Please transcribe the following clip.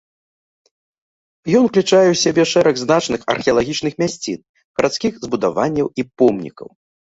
Ён ўключае ў сябе шэраг значных археалагічных мясцін, гарадскіх збудаванняў і помнікаў.